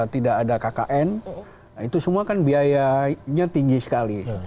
tidak ada kkn itu semua kan biayanya tinggi sekali